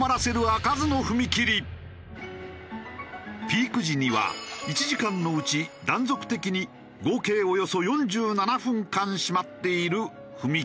ピーク時には１時間のうち断続的に合計およそ４７分間閉まっている踏切。